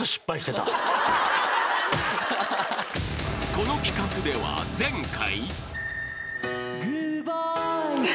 ［この企画では前回］